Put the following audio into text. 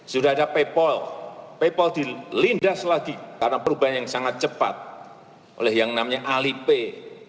sudah ada paypal paypal dilindas lagi karena perubahan yang sangat cepat oleh yang namanya alipay